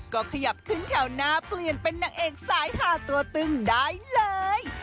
ก็ขยับขึ้นแถวหน้าเปลี่ยนเป็นนางเอกสายหาตัวตึงได้เลย